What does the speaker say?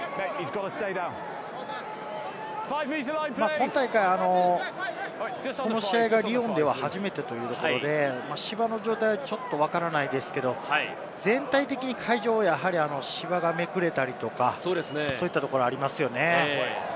今大会、この試合がリヨンでは始めてというところで、芝の状態はちょっとわからないですけれども、全体的に会場はやはり芝がめくれたりとか、そういったところがありますよね。